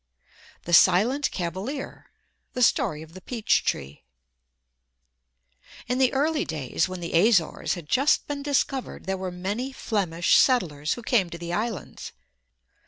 THE SILENT CAVALIER The Story of the Peach Tree In the early days when the Azores had just been discovered there were many Flemish settlers who came to the islands.